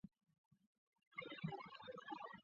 曾祖父顾仲仁。